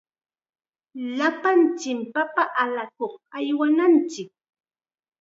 Llapanchikmi papa allakuq aywananchik.